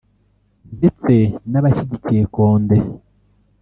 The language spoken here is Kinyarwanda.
ndetse n’abashyigikiye Condé